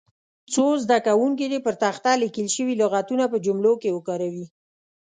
څو زده کوونکي دې پر تخته لیکل شوي لغتونه په جملو کې وکاروي.